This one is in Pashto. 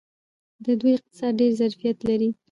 د دوی اقتصاد ډیر ظرفیت لري.